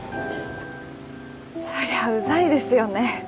そりゃうざいですよね。